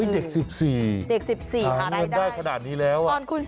เด็ก๑๔หาเงินได้ขนาดนี้แล้วตอนคุณ๑๔